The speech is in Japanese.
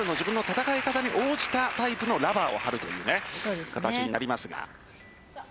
両ラバー、それぞれの戦い方に応じたタイプのラバーを貼るという形になります。